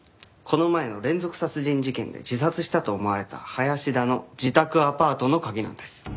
この前の連続殺人事件で自殺したと思われた林田の自宅アパートの鍵なんです。